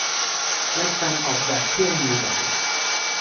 และการออกแบบเครื่องมือใด